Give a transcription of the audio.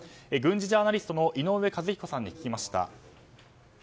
軍事ジャーナリストの井上和彦さんに聞きました。